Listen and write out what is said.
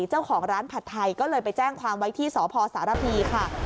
เจ้าของร้านผัดไทยก็เลยไปแจ้งความไว้ที่สพสารพีค่ะ